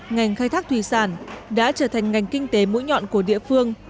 ngành khai thác thủy sản đã trở thành ngành kinh tế mũi nhọn của địa phương